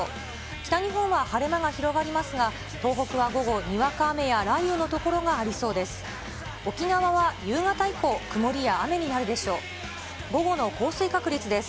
北日本は晴れ間が広がりますが、東北は午後、にわか雨や雷雨の所がありそうです。